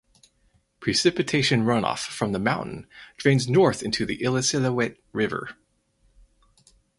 Precipitation runoff from the mountain drains north into the Illecillewaet River.